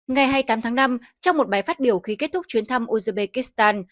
ngày hai mươi tám tháng năm trong một bài phát biểu khi kết thúc chuyến thăm uzbekistan